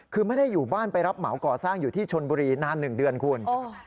คือไม่ได้อยู่บ้านไปรับเหมาก่อสร้างอยู่ที่ชนบุรีนาน๑เดือนคุณ